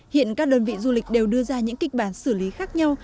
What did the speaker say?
hiện các đơn vị du lịch đều đưa ra những kịch bản xử lý khác nhau